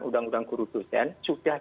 undang undang guru dosen sudah